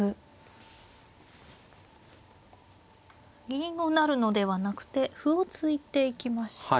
銀を成るのではなくて歩を突いていきました。